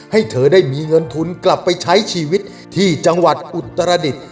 ให้เธอได้มีเงินทุนกลับไปใช้ชีวิตที่จังหวัดอุตรดิษฐ์